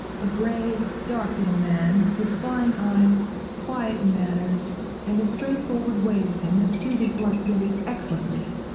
A grave, dark, little man, with fine eyes, quiet manners, and a straight forward way with him that suited blunt Livy excellently.